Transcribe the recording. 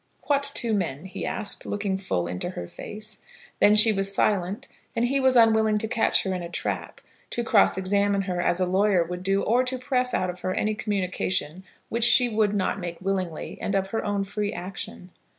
"What two men?" he asked, looking full into her face. Then she was silent and he was unwilling to catch her in a trap, to cross examine her as a lawyer would do, or to press out of her any communication which she would not make willingly and of her own free action.